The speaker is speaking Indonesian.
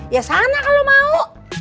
ya sana kalau mau